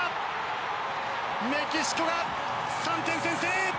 メキシコが３点先制！